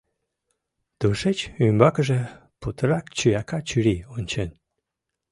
Тушеч ӱмбакыже путырак чуяка чурий ончен.